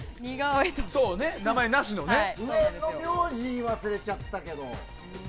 上の名字は忘れちゃったけど。